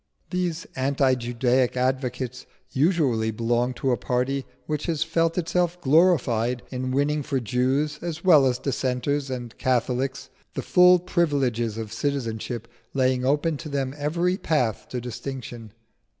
These anti Judaic advocates usually belong to a party which has felt itself glorified in winning for Jews, as well as Dissenters and Catholics, the full privileges of citizenship, laying open to them every path to distinction.